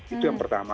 itu yang pertama